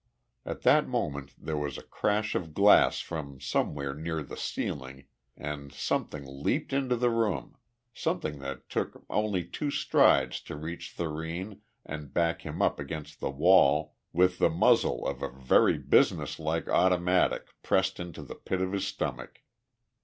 At that moment there was a crash of glass from somewhere near the ceiling and something leaped into the room something that took only two strides to reach Thurene and back him up against the wall, with the muzzle of a very businesslike automatic pressed into the pit of his stomach.